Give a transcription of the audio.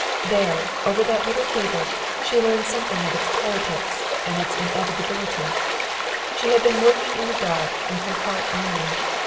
There, over that little table, she learned something of its politics and its inevitability. She had been working in the dark, with her heart only.